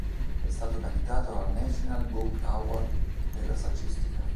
È stato candidato al National Book Award per la saggistica.